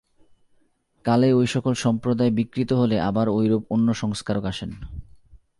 কালে ঐ-সকল সম্প্রদায় বিকৃত হলে আবার ঐরূপ অন্য সংস্কারক আসেন।